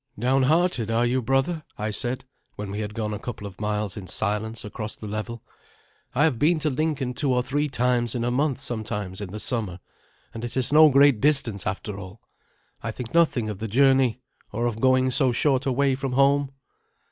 "Downhearted, are you, brother?" I said, when we had gone a couple of miles in silence across the level. "I have been to Lincoln two or three times in a month sometimes in the summer, and it is no great distance after all. I think nothing of the journey, or of going so short a way from home."